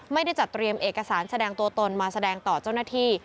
ไม่ได้จัดเตรียมเอกสารแสดงตัวตนมาแสดงต่อเจ้าหน้าที่